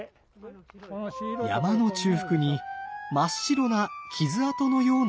山の中腹に真っ白な傷痕のようなものが。